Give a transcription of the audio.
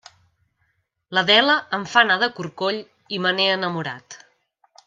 L'Adela em fa anar de corcoll i me n'he enamorat.